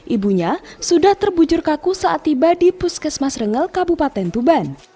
ibunya sudah terbujur kaku saat tiba di puskesmas rengel kabupaten tuban